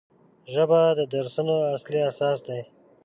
ژبه د درسونو اصلي اساس دی